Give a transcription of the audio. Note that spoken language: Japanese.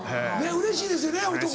うれしいですね。